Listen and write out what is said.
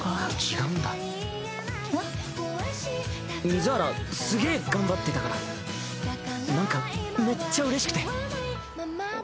水原すげぇ頑張ってたからなんかめっちゃうれしくて。